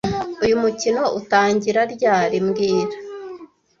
Uyu mukino utangira ryari mbwira